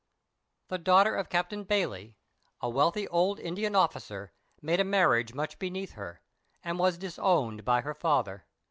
"* [The daughter of Captain Bayley, a wealthy old Indian officer, made a marriage much beneath her, and was disowned by her father.